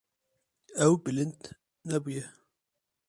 Ew bilind nebûye.